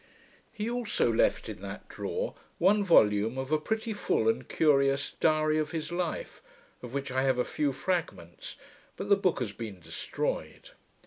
He also left in that drawer one volume of a pretty full and curious Diary of his Life, of which I have a few fragments; but the book has been destroyed.